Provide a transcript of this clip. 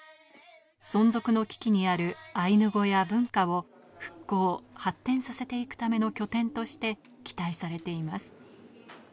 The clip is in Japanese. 存続の危機にあるアイヌ語や文化を復興・発展させていくための拠点として期待されています。